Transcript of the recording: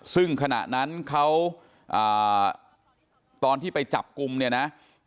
ซึ่งขณะนั้นเขาตอนที่ไปจับกลุ่มเนี่ยนะ